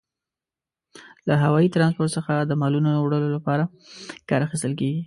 له هوايي ترانسپورت څخه د مالونو وړلو لپاره کار اخیستل کیږي.